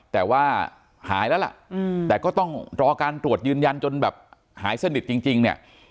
แต่ว่าหายแล้วล่ะแต่ก็ต้องรอการตรวจยืนยันจนแบบหายสนิทจริงเนี่ย